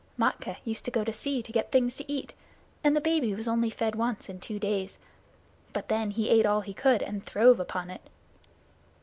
Matkah used to go to sea to get things to eat, and the baby was fed only once in two days, but then he ate all he could and throve upon it.